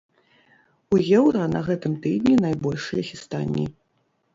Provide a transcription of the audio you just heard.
У еўра на гэтым тыдні найбольшыя хістанні.